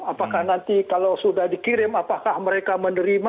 apakah nanti kalau sudah dikirim apakah mereka menerima